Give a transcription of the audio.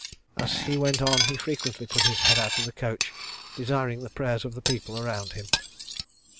As he went on he frequently put his head out of the coach, desiring the prayers of the people around him.